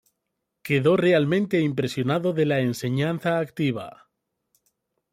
Quedó realmente impresionado de la enseñanza activa.